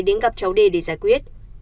đến gặp cháu đê để giải quyết